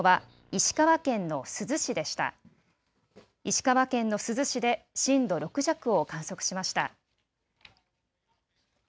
石川県の珠洲市で震度６弱を観測しました。